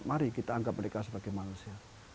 mari kita anggap mereka sebagai manusia